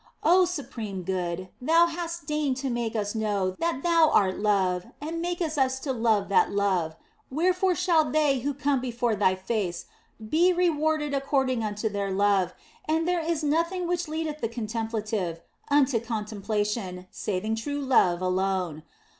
Oh Supreme Good, Thou hast deigned to make us know that Thou art Love and makest us to love that Love, wherefore shall they who come before R 258 THE BLESSED ANGELA Thy Face be rewarded according unto their love, and there is nothing which leadeth the contemplative unto contemplation saving true love alone.